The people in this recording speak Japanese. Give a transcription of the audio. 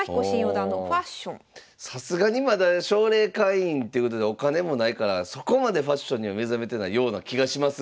さすがにまだ奨励会員ってことでお金もないからそこまでファッションには目覚めてないような気がしますが。